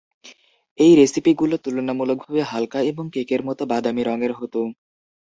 এই রেসিপিগুলো তুলনামূলকভাবে হালকা এবং কেকের মতো বাদামী রঙের হতো।